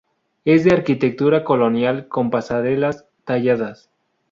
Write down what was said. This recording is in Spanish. Es de arquitectura colonial con pasarelas talladas.